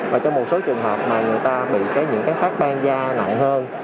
và trong một số trường hợp mà người ta bị những phát ban da nặng hơn